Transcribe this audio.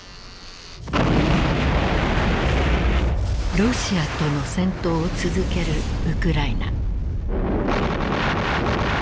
ロシアとの戦闘を続けるウクライナ。